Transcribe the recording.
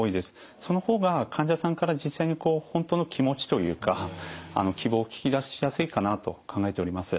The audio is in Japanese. その方が患者さんから実際に本当の気持ちというか希望を聞き出しやすいかなと考えております。